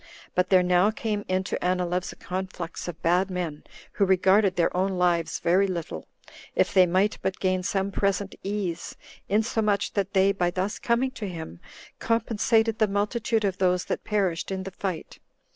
But there now came in to Anileus a conflux of bad men, who regarded their own lives very little, if they might but gain some present ease, insomuch that they, by thus coming to him, compensated the multitude of those that perished in the fight.